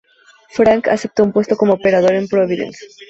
Frank aceptó un puesto como operador en Providence.